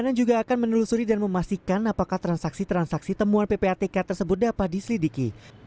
bagaimana juga akan menelusuri dan memastikan apakah transaksi transaksi temuan ppatk tersebut dapat diselidiki